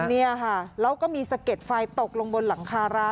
เนี่ยค่ะแล้วก็มีสะเด็ดไฟตกลงบนหลังคารา